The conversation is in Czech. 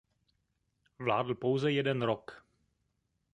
Vládl pouze jeden rok.